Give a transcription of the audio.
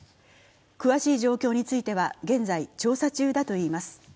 詳しい状況については現在調査中だといいます。